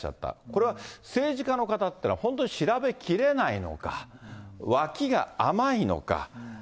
これは政治家の方っていうのは、本当に調べきれないのか、わきが甘いのか。